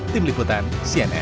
tim liputan cnn indonesia